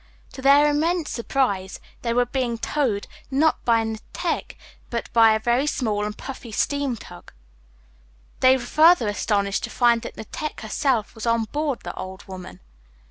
To their immense surprise they were being towed, not by Netteke, but by a very small and puffy steam tug. They were further astonished to find that Netteke herself was on board the "Old Woman."